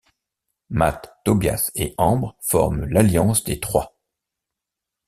Matt, Tobias et Ambre forment l'Alliance des Trois.